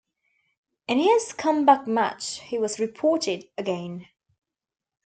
In his comeback match, he was reported again.